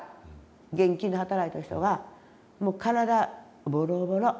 現金で働いた人はもう体ボロボロ。